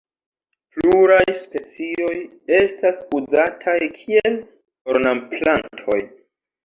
Pluraj specioj estas uzataj kiel ornamplantoj.